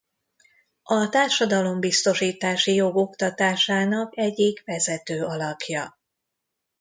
A társadalombiztosítási jog oktatásának egyik vezető alakja.